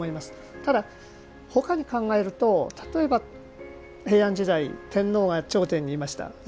ただ、他に考えると例えば、平安時代天皇が頂点にいました。